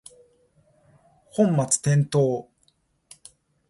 本末転倒